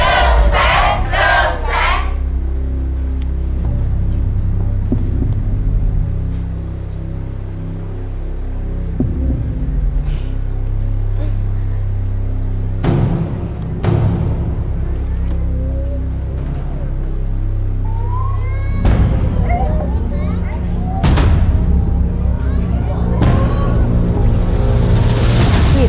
เราจะต้องรับทักที